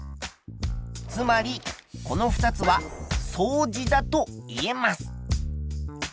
つまりこの２つは相似だといえます。